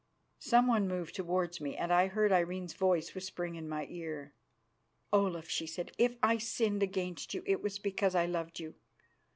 Someone moved towards me, and I heard Irene's voice whispering in my ear. "Olaf," she said, "if I sinned against you it was because I loved you.